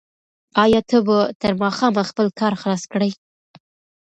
آیا ته به تر ماښامه خپل کار خلاص کړې؟